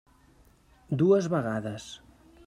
Dues vegades.